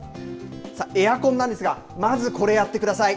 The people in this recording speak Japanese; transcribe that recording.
さあ、エアコンなんですが、まずこれやってください。